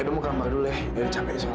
kamu mau pancake durian